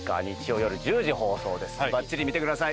ばっちり見てください。